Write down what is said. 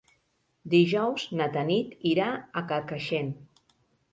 Dijous na Tanit irà a Carcaixent.